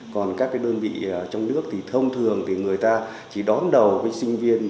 còn các đơn vị trong nước thông thường người ta chỉ đón đầu với sinh viên